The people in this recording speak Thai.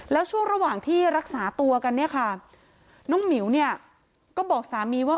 แล้วช่วงระหว่างที่รักษาตัวกันน้องหมิวก็บอกสามีว่า